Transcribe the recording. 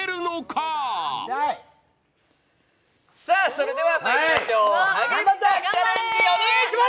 それではまいりましょうハゲピタ・チャレンジお願いします！